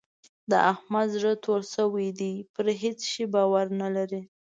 د احمد زړه توری شوی دی؛ پر هيڅ شي باور نه لري.